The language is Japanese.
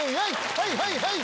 はいはいはい！